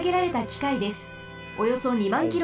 およそ２まんキロ